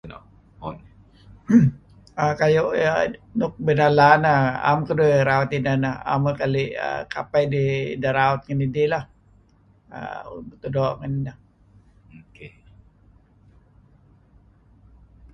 Kayu' ieh nuk binala neh. Em keduih raut ineh neh. Em uih keli' err kapeh ideh raut ngen idih leh. Err... Mutuh doo' ngen...